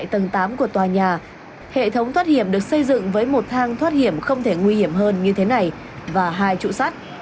tầng tám của tòa nhà hệ thống thoát hiểm được xây dựng với một thang thoát hiểm không thể nguy hiểm hơn như thế này và hai trụ sắt